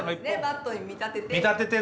バットに見立てて。